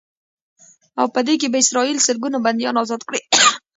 او په بدل کې به اسرائیل سلګونه بنديان ازاد کړي.